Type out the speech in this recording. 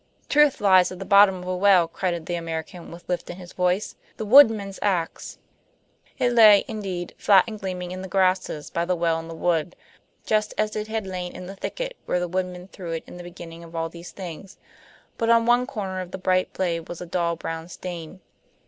"Truth lies at the bottom of a well," cried the American, with lift in his voice. "The woodman's ax." It lay, indeed, flat and gleaming in the grasses by the well in the wood, just as it had lain in the thicket where the woodman threw it in the beginning of all these things. But on one corner of the bright blade was a dull brown stain.